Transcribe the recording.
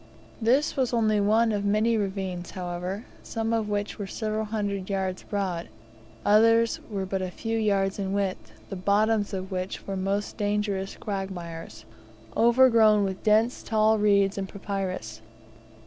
This was only one of many ravines, however, some of which were several hundred yards broad, others were but a few yards in width, the bottoms of which were most dangerous quagmires, overgrown with dense tall reeds and papyrus.